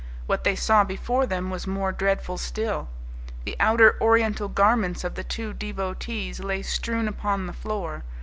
What they saw before them was more dreadful still. The outer Oriental garments of the two devotees lay strewn upon the floor.